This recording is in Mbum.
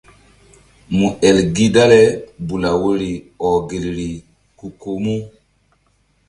Mu el gi dale bula woyri ɔh gelri ku ko mu.